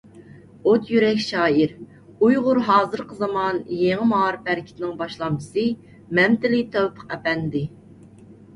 ئوت يۈرەك شائىر، ئۇيغۇر ھازىرقى زامان يېڭى مائارىپ ھەرىكىتىنىڭ باشلامچىسى مەمتىلى تەۋپىق ئەپەندى.